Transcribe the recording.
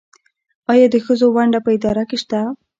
آیا د ښځو ونډه په اداره کې شته؟